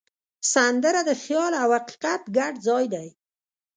سندره د خیال او حقیقت ګډ ځای دی